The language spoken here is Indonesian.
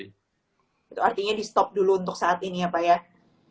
itu artinya di stop dulu untuk saat ini ya pak ya